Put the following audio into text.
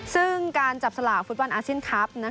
ซึ่งการจับสลากฟุตบอลอาเซียนคลับ